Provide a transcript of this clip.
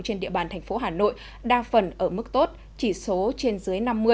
trên địa bàn thành phố hà nội đa phần ở mức tốt chỉ số trên dưới năm mươi